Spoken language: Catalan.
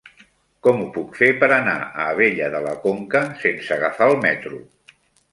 Com ho puc fer per anar a Abella de la Conca sense agafar el metro?